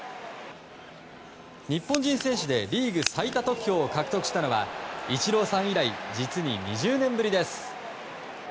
日本人選手でリーグ最多得票を獲得したのはイチローさん以来実に２０年ぶりです。